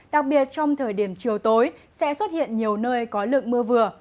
đặc biệt trong thời điểm chiều tối sẽ xuất hiện nhiều nơi có lượng mưa vừa